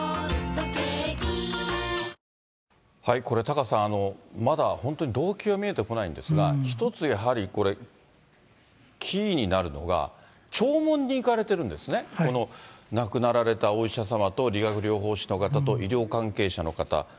これ、タカさん、まだ本当、動機が見えてこないんですが、一つ、やはりこれ、キーになるのが、弔問に行かれてるんですね、この亡くなられた、お医者様と理学療法士の方と医療関係者の方。